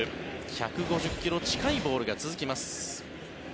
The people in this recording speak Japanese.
１５０ｋｍ近いボールが続きます。